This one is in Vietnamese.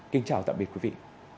kính chào tạm biệt quý vị